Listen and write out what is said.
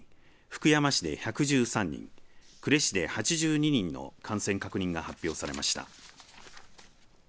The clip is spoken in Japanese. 福山市で１１３人呉市で８２人の感染確認が発表されました。